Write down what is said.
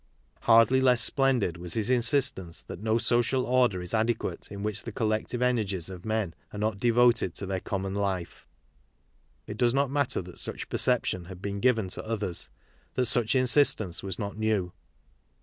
Hardly less splendid was his insistence that no social order is adequate in which the collective energies of men are not devoted to their common life. It does not matter that such perception had been given to others, that such insistence was not new.